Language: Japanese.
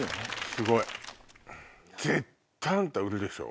すごい！絶対あんた売るでしょ？